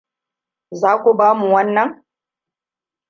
Za ku bamu wannan?